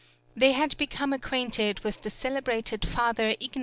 They had become acquainted with the celebrated Father Ign.